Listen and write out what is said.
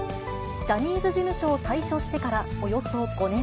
ジャニーズ事務所を退所してからおよそ５年。